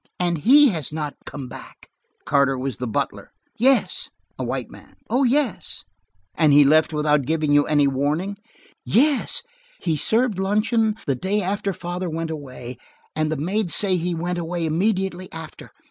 And he has not come back." "Carter was the butler?" "Yes." "A white man?" "Oh, yes." "And he left without giving you any warning?" "Yes. He served luncheon the day after father went away, and the maids say he went away immediately after.